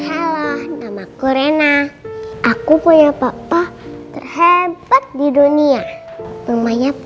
halo nama korena aku punya papa terhebat di dunia rumahnya